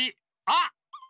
あっ！